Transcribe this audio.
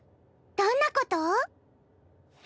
どんなこと？